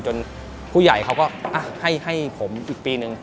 ผู้ใหญ่เขาก็ให้ผมอีกปีนึง